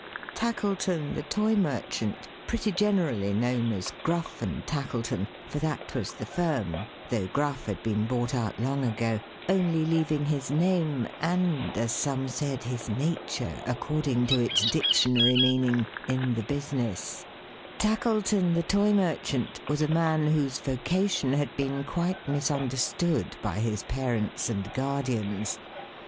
Tackleton the Toy merchant, pretty generally known as Gruff and Tackleton for that was the firm, though Gruff had been bought out long ago; only leaving his name, and as some said his nature, according to its Dictionary meaning, in the business Tackleton the Toy merchant, was a man whose vocation had been quite misunderstood by his Parents and Guardians.